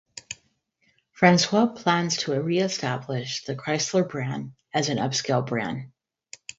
Francois plans to reestablish the Chrysler brand as an upscale brand.